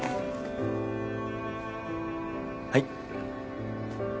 はい。